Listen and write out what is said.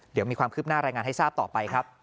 เดี๋ยวมีความคืบหน้ารายงานให้ทราบต่อไปครับ